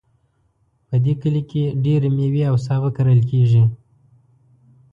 په دې کلي کې ډیری میوې او سابه کرل کیږي